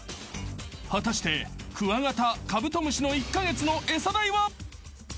［果たしてクワガタ・カブトムシの１カ月の餌代は？］